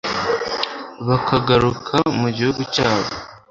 bakagaruka mu gihugu cyabo,